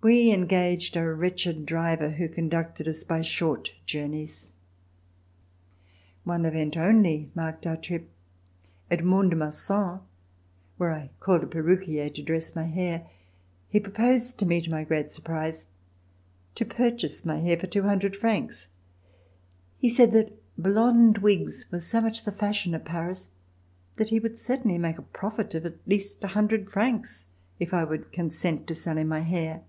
We engaged a wretched driver, who conducted us by short journeys. One event only VISIT TO PARIS marked our trip. At Mont de Marsan where I called a perruquier to dress my hair, he proposed to me, to my great surprise, to purchase my hair for 200 francs. He said that blond wigs were so much the fashion at Paris that he would certainly make a profit of at least 100 francs, if I would consent to sell him my hair.